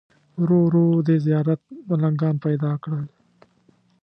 ورو ورو دې زیارت ملنګان پیدا کړل.